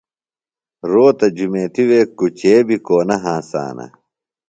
روتہ جُمیتیۡ وے گُچے بیۡ کو نہ ہنسانہ۔